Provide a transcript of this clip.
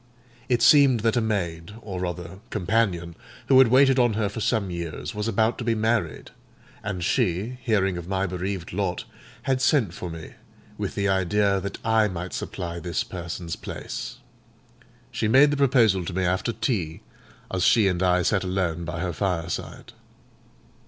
It seemed that a maid, or rather companion, who had waited on her for some years, was about to be married; and she, hearing of my bereaved lot, had sent for me, with the idea that I might supply this person's place. She made the proposal to me after tea, as she and I sat alone by her fireside.